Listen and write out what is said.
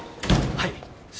はい。